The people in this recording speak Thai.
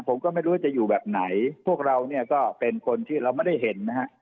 ผมก็ไม่รู้ว่าจะอยู่แบบไหนพวกเราเนี่ยก็เป็นคนที่เราไม่ได้เห็นนะฮะ